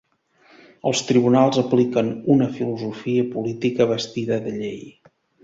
Els tribunals apliquen una filosofia política vestida de llei.